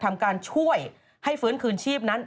ทำการช่วยให้ฟื้นคืนชีพนั้น